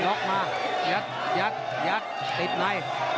ล็อกมายักษ์ยักษ์ยักษ์ติดใน